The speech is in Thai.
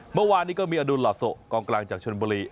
เมื่อวานนี้ก็มีอดุลหลาโซกองกลางจากชนบุรี